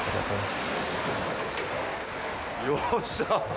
よっしゃ。